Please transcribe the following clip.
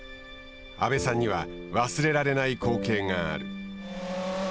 阿部さんには忘れられない光景がある。